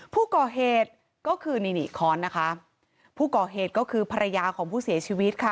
ผู้ก่อเหตุก็คือนี่นี่ค้อนนะคะผู้ก่อเหตุก็คือภรรยาของผู้เสียชีวิตค่ะ